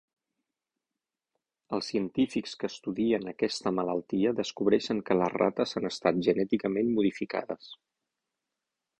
Els científics que estudien aquesta malaltia descobreixen que les rates han estat genèticament modificades.